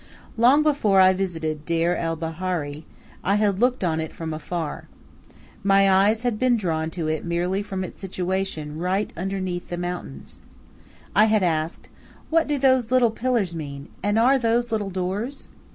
Long before I visited Deir el Bahari I had looked at it from afar. My eyes had been drawn to it merely from its situation right underneath the mountains. I had asked: "What do those little pillars mean? And are those little doors?"